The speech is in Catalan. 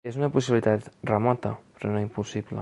És una possibilitat remota, però no impossible.